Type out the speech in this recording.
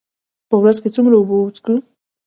په ورځ کې څومره اوبه وڅښو؟